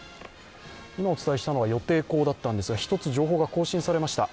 今、お伝えしたのは予定稿だったんですが、１つ情報が更新されました。